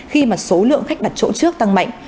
khi mà số lượng khách đặt chỗ trước tăng mạnh